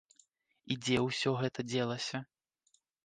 І дзе ўсё гэта дзелася?